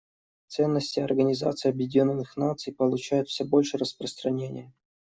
Ценности Организации Объединенных Наций получают все большее распространение.